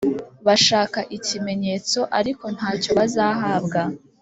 bashaka ikimenyetso, ariko nta cyo bazahabwa,